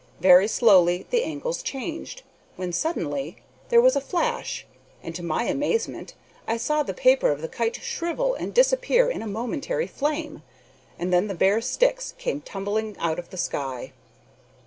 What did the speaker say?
Very slowly the angles changed, when, suddenly, there was a flash, and to my amazement I saw the paper of the kite shrivel and disappear in a momentary flame, and then the bare sticks came tumbling out of the sky.